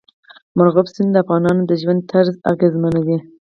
مورغاب سیند د افغانانو د ژوند طرز اغېزمنوي.